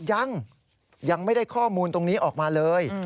ยังยังไม่ได้ข้อมูลตรงนี้ออกมาเลย